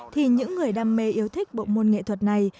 thì những người đam mê yêu thích bộ môn nghệ thuật này